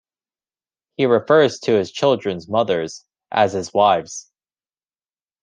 He refers to his children's mothers as his wives.